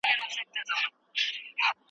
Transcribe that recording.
تنوع د يکنواختۍ په پرتله ډېره ښکلا لري.